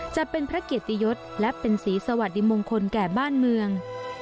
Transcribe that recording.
จะเป็นพระเกียรติยศและเป็นสีสวัสดีมงคลแก่บ้านเมือง